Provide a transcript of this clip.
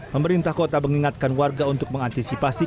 pemerintah kota mengingatkan warga untuk mengantisipasi